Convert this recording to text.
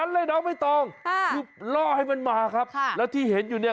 เหมือนแบบไฟดิสโก๊